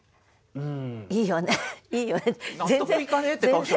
うん。